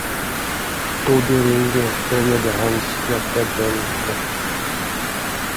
Då det ringde, började hans hjärta dunka.